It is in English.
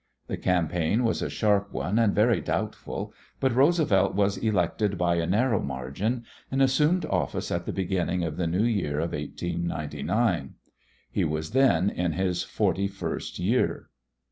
The campaign was a sharp one and very doubtful, but Roosevelt was elected by a narrow margin and assumed office at the beginning of the new year of 1899. He was then in his forty first year.